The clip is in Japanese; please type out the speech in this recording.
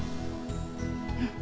うん。